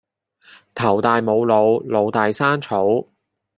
頭大冇腦，腦大生草